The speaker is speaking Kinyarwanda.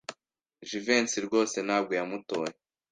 Jivency rwose ntabwo yamutoye.